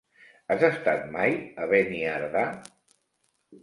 Has estat mai a Beniardà?